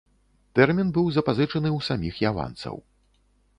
Тэрмін быў запазычаны ў саміх яванцаў.